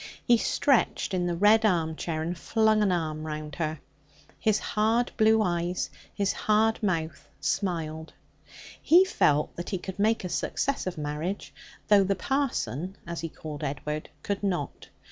He stretched in the red armchair and flung an arm round her. His hard blue eyes, his hard mouth, smiled; he felt that he could make a success of marriage, though the parson (as he called Edward) could not.